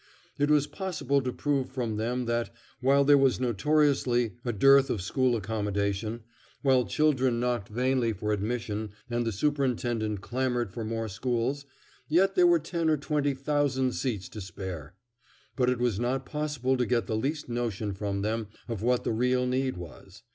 It was possible to prove from them that, while there was notoriously a dearth of school accommodation, while children knocked vainly for admission and the Superintendent clamored for more schools, yet there were ten or twenty thousand seats to spare. But it was not possible to get the least notion from them of what the real need was.